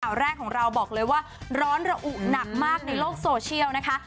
แรกของเราบอกเลยว่าร้อนระอุหนักมากในโลกโซเชียลนะคะ